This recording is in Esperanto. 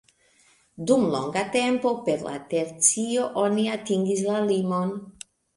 Dum longa tempo per la tercio oni atingis la limon.